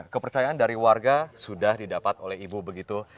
kepercayaan dari warga sudah didapat oleh ibu begitu